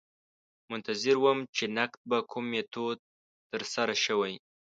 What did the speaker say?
منتظر وم چې نقد په کوم میتود ترسره شوی.